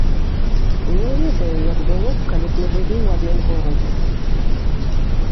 Не ведаю, як было б, калі б мы жылі ў адным горадзе.